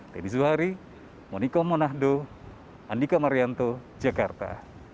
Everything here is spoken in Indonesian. dedy zuhari moniko monahdo andika marianto jakarta